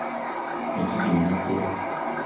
Me te ding motoro